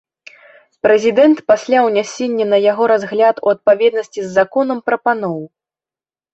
Прэзідэнт пасля ўнясення на яго разгляд у адпаведнасці з законам прапаноў.